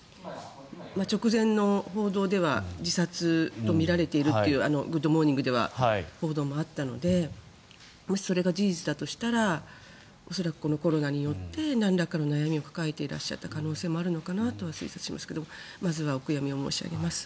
直前の報道では自殺とみられているという「グッド！モーニング」では報道もあったのでもし、それが事実だとしたら恐らくこのコロナ禍によってなんらかの悩みを抱えていた可能性もあるのかなとは推察しますがまずはお悔やみを申し上げます。